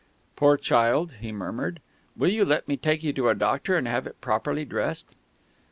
"Poor child!" he murmured. "Will you let me take you to a doctor and have it properly dressed?"